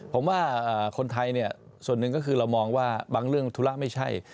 ผมว่าคนไทยเนี่ยส่วนหนึ่งก็คือเรามองว่าบางเรื่องธุระไม่ใช่